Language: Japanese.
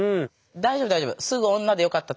大丈夫大丈夫。